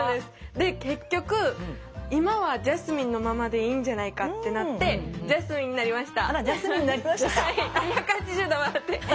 で結局今はジャスミンのままでいいんじゃないかってなってジャスミンになりました。